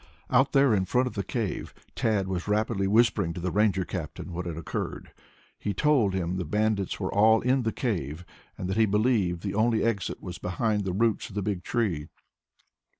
Out there in front of the cave Tad was rapidly whispering to the Ranger captain what had occurred. He told him the bandits were all in the cave and that he believed the only exit was there behind the roots of the big tree.